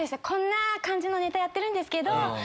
こんな感じのネタやってるんですけど